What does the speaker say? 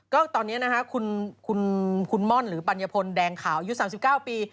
ก็ตอนนี้คุณม่อนหรือปัญญพลแดงขาวยุทธ์๓๙ปี